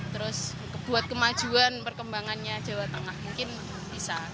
terus buat kemajuan perkembangannya jawa tengah mungkin bisa